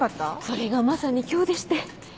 それがまさに今日でして。